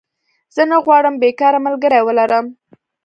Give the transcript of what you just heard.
زه نه غواړم بيکاره ملګری ولرم